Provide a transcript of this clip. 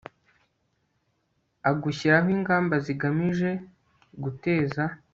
a gushyiraho ingamba zigamije guteza